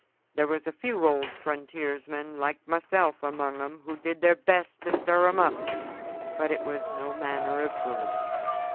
There was a few old frontiersmen like myself among 'em who did their best to stir 'em up, but it was no manner of good.